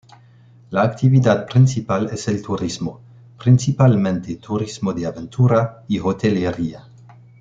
La actividad principal es el turismo, principalmente turismo de aventura y hotelería.